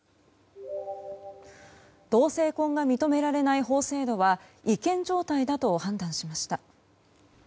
同性婚が認められない法制度は違憲状態だと判断しました。